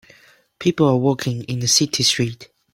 People are walking in a city street.